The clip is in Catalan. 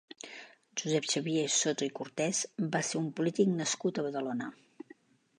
Josep Xavier Soto i Cortés va ser un polític nascut a Badalona.